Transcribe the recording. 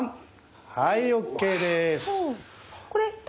はいＯＫです。